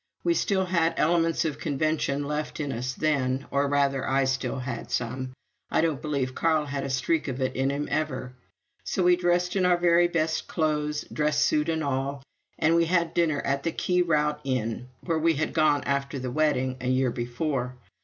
We still had elements of convention left in us then, or, rather, I still had some; I don't believe Carl had a streak of it in him ever, so we dressed in our very best clothes, dress suit and all, and had dinner at the Key Route Inn, where we had gone after the wedding a year before.